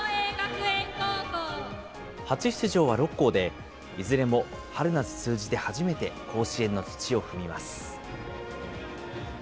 初出場は６校で、いずれも春夏通じて初めて甲子園の土を踏みます。